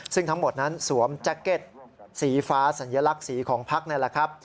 ซึ่งทั้งหมดนั้นสวมแจ็คเก็ตสีฟ้าสัญลักษณ์สีของพักนี่แหละครับ